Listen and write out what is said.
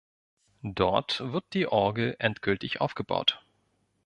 Dort wird die Orgel endgültig aufgebaut.